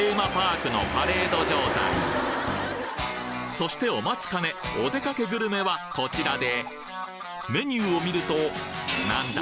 そしてお待ちかねおでかけグルメはこちらでメニューを見るとなんだ？